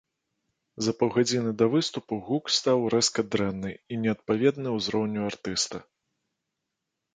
За паўгадзіны да выступу гук стаў рэзка дрэнны і неадпаведны ўзроўню артыста.